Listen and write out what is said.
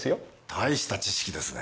大した知識ですね。